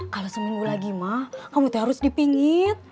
kalau seminggu lagi mah kamu harus dipingit